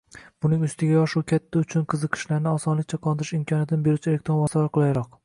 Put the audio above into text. Buning ustiga, yosh-u katta uchun qiziqishlarni osonlikcha qondirish imkoniyatini beruvchi elektron vositalar qulayroq.